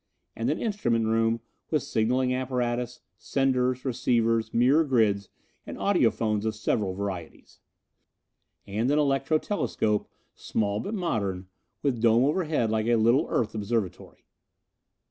And an instrument room with signaling apparatus, senders, receivers, mirror grids and audiphones of several varieties; and an electro telescope, small but modern, with dome overhead like a little Earth observatory.